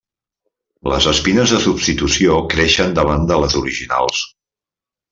Les espines de substitució creixen davant de les originals.